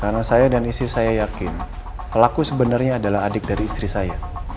karena saya dan istri saya yakin pelaku sebenarnya adalah adik dari istri saya